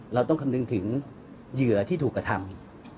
เราต้องคำนึงถึงเหยื่อที่ถูกกระทำ